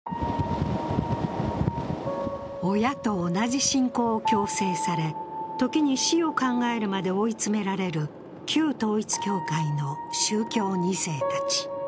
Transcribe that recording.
親と同じ信仰を強制され時に死を考えるまで追い詰められる旧統一教会の宗教２世たち。